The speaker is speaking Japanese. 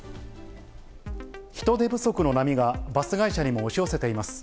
人手不足の波が、バス会社にも押し寄せています。